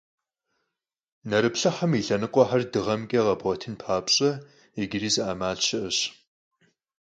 Nerıplhıhım yi lhenıkhuexer dığemç'e khebğuetın papş'e, yicıri zı 'emal şı'eş.